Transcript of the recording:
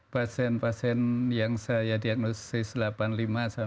pasien pasien yang saya diagnosis delapan puluh lima delapan puluh tujuh